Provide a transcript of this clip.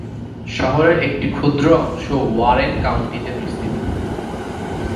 শহরের একটি ক্ষুদ্র অংশ ওয়ারেন কাউন্টিতে বিস্তৃত।